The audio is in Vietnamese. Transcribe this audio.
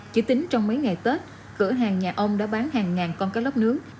chỉ tính trong mấy ngày tết cửa hàng nhà ông đã bán hàng ngàn con cá lóc nướng